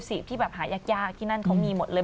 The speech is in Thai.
ที่เป็นเอกซูทรีฟที่หาอยากยากที่นั่นเขามีหมดเลย